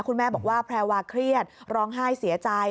คุณแม่บอกว่าแพรวาเครียดร้องไห้เสียใจ